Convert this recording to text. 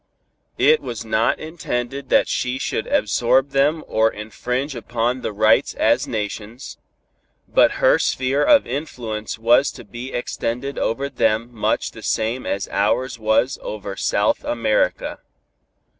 It was not intended that she should absorb them or infringe upon the rights as nations, but her sphere of influence was to be extended over them much the same as ours was over South America.